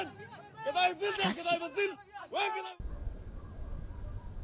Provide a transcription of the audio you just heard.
しかし。